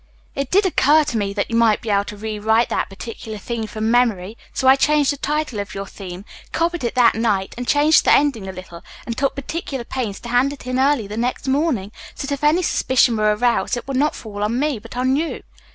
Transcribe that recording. It did occur to me that you might be able to rewrite that particular theme from memory. So I changed the title of your theme, copied it that night and changed the ending a little and took particular pains to hand it in early the next morning, so that if any suspicion were aroused it would not fall on me, but on you.